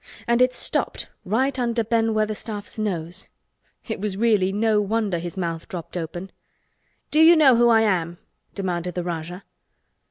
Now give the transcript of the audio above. And it stopped right under Ben Weatherstaff's nose. It was really no wonder his mouth dropped open. "Do you know who I am?" demanded the Rajah.